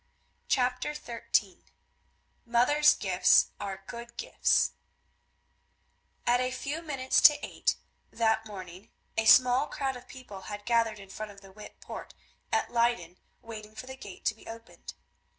CHAPTER XIII MOTHER'S GIFTS ARE GOOD GIFTS At a few minutes to eight that morning a small crowd of people had gathered in front of the Witte Poort at Leyden waiting for the gate to be opened.